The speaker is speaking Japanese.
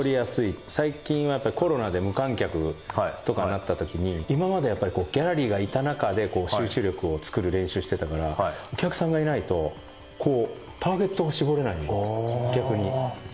最近はコロナで無観客とかになった時に今まではやっぱりこうギャラリーがいた中で集中力を作る練習してたからお客さんがいないとこうターゲットが絞れない逆に。